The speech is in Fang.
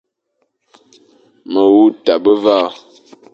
Me wu tabe va,